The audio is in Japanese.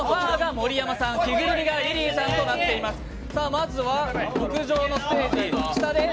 まずは屋上のステージです。